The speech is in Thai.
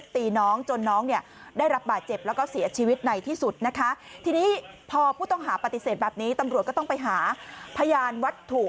ทีนี้พอผู้ต้องหาปฏิเสธแบบนี้ตำรวจก็ต้องไปหาพยานวัตถุ